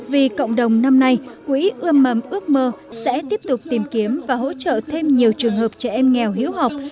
vì cộng đồng năm nay quỹ ươm mầm ước mơ sẽ tiếp tục tìm kiếm và hỗ trợ thêm nhiều trường hợp trẻ em nghèo hiếu học